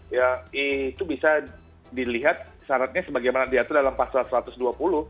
ya itu bisa dilihat syaratnya sebagaimana diatur dalam pasal satu ratus dua puluh